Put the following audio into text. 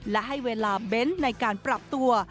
และให้เวลาเบ้นในการปรับตัว